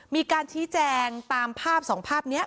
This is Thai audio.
มีการชี้แจงตามภาพสองภาพนี้